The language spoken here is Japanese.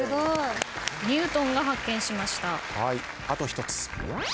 あと１つ。